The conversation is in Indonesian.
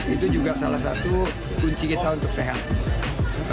itu juga salah satu kunci kita untuk sehat